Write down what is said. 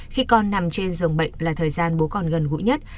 khi con nằm trên giường bệnh là thời gian bố con gần gũi nhất